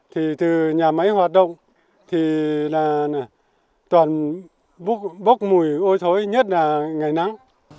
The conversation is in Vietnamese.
thì từ nhà máy hoạt động thì toàn bốc mùi ôi thối nhất là ngày nắng